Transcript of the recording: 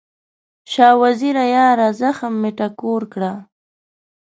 شاه وزیره یاره، زخم مې ټکور کړه